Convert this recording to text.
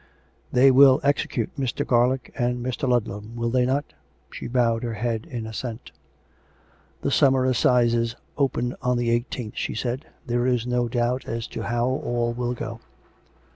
" They will execute Mr. Garlick and Mr. Ludlam, will they not ^" She bowed her head in assent. " The Summer Assizes open on the eighteenth," she said. " There is no doubt as to how all will go."